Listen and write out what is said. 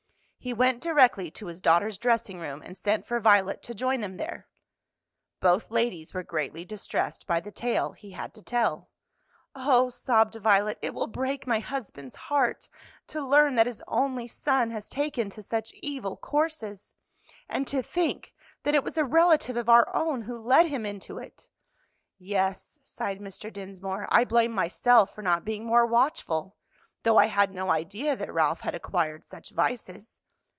He went directly to his daughter's dressing room, and sent for Violet to join them there. Both ladies were greatly distressed by the tale he had to tell. "Oh," sobbed Violet, "it will break my husband's heart to learn that his only son has taken to such evil courses! And to think that it was a relative of our own who led him into it!" "Yes," sighed Mr. Dinsmore, "I blame myself for not being more watchful; though I had no idea that Ralph had acquired such vices."